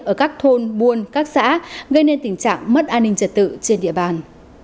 ở các thôn buôn các xã gây nên tình trạng mất an ninh trật tự trên địa bàn